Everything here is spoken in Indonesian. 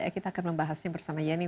kita akan membahasnya bersama yeni